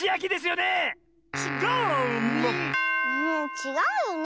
ちがうよね